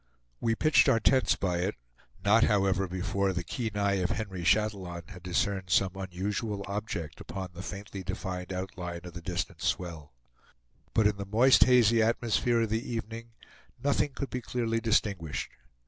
We pitched our tents by it; not however before the keen eye of Henry Chatillon had discerned some unusual object upon the faintly defined outline of the distant swell. But in the moist, hazy atmosphere of the evening, nothing could be clearly distinguished.